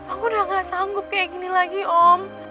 aku udah gak sanggup kayak gini lagi om